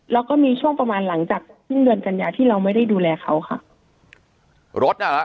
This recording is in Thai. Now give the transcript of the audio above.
แล้วก็มีช่วงประมาณหลังจากสิ้นเดือนกันยาที่เราไม่ได้ดูแลเขาค่ะรถน่ะเหรอ